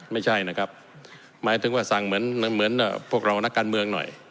ไม่ใช่นะครับหมายถึงว่าสั่งเหมือนพวกเรานักการเมืองหน่อย